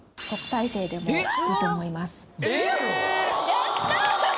やった。